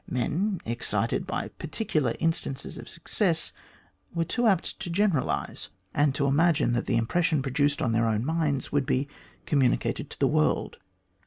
Men, excited by particular instances of success, were too apt to generalise and THE GREAT GOLD RUSH 97 to imagine that the impression produced on their own minds would be communicated to the world.